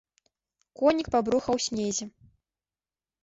Конік па бруха ў снезе.